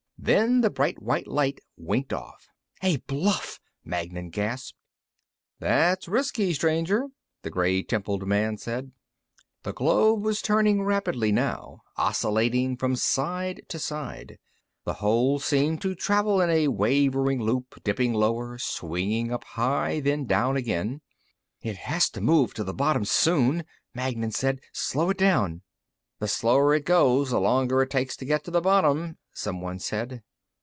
Then the bright white light winked off. "A bluff!" Magnan gasped. "That's risky, stranger," the gray templed man said. The globe was turning rapidly now, oscillating from side to side. The hole seemed to travel in a wavering loop, dipping lower, swinging up high, then down again. "It has to move to the bottom soon," Magnan said. "Slow it down." "The slower it goes, the longer it takes to get to the bottom," someone said.